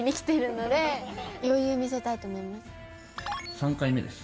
３回目です。